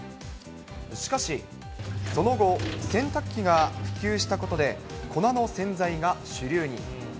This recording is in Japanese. しかし、その後、洗濯機が普及したことで、粉の洗剤が主流に。